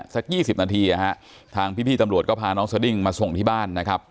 สัก๒๐นาทีทางพี่ตำรวจก็พาน้องสดิ้งมาส่งที่บ้านนะครับ